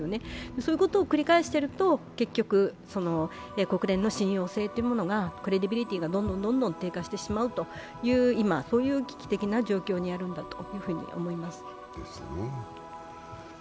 そういうことを繰り返していると国連の信用性、クレディビリティがどんどん低下してしまう、今、そういう危機的状況にあるんだと思います。